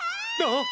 あっ！